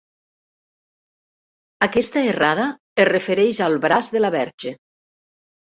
Aquesta errada es refereix al braç de la Verge.